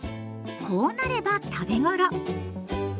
こうなれば食べ頃。